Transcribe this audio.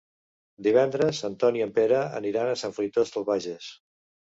Divendres en Ton i en Pere aniran a Sant Fruitós de Bages.